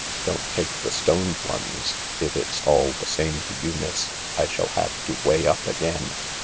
Don't take the stoned ones, if it's all the same to you, miss. I shall have to weigh up again."